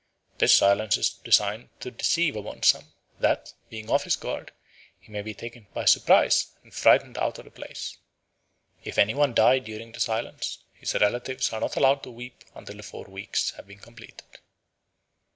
This silence is designed to deceive Abonsam, that, being off his guard, he may be taken by surprise, and frightened out of the place. If anyone die during the silence, his relatives are not allowed to weep until the four weeks have been completed."